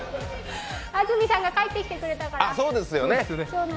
安住さんが帰ってきてくれたから。